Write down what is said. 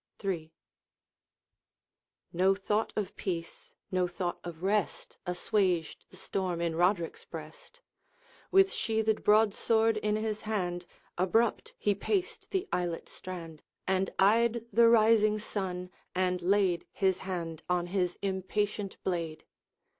III. No thought of peace, no thought of rest, Assuaged the storm in Roderick's breast. With sheathed broadsword in his hand, Abrupt he paced the islet strand, And eyed the rising sun, and laid His hand on his impatient blade.